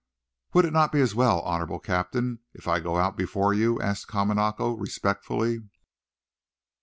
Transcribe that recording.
"Would it not be as well, honorable Captain, if I go out before you?" asked Kamanako, respectfully.